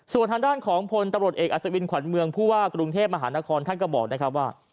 ส่วนทางด้านของพลตำรวจเอกอัศวินขวัญเมืองผู้ว่ากรุงเทพมหานครท่านก็บอกนะครับว่า